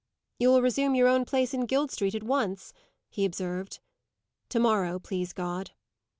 "You will resume your own place in Guild Street at once?" he observed. "To morrow, please God."